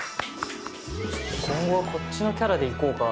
今後はこっちのキャラでいこうか。